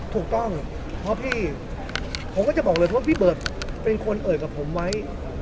ถูกต้องเพราะพี่ผมก็จะบอกเลยว่าพี่เบิร์ตเป็นคนเอ่ยกับผมไว้